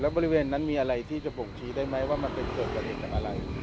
บริเวณนั้นมีอะไรที่จะบ่งชี้ได้ไหมว่ามันเป็นเกิดเหตุจากอะไร